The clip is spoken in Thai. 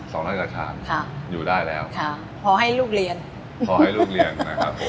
ร้อยกว่าชามค่ะอยู่ได้แล้วค่ะพอให้ลูกเรียนพอให้ลูกเรียนนะครับ